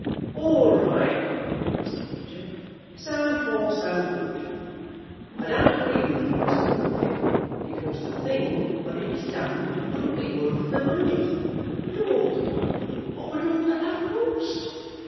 "All right," said Gager. "So far, so good. I don't agree with you, Mr. Bunfit; because the thing, when it was done, wouldn't be worth the money. Lord love you, what would all that have cost?